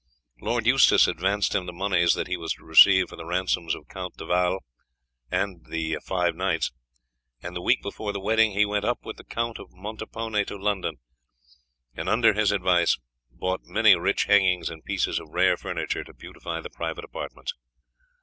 Lord Eustace advanced him the monies that he was to receive for the ransoms of Count de Valles and the five knights, and the week before the wedding he went up with the Count of Montepone to London, and under his advice bought many rich hangings and pieces of rare furniture to beautify the private apartments.